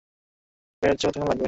ব্র্যায, কতক্ষণ লাগবে?